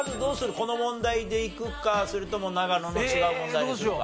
この問題でいくかそれとも長野の違う問題にするか。